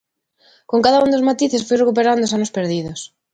Con cada un dos matices foi recuperando os anos perdidos.